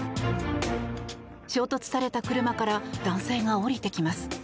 衝突された車から男性が降りてきます。